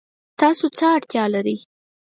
تاسو څه اړتیا لرئ؟